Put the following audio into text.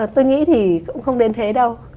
tôi nghĩ thì cũng không đến thế đâu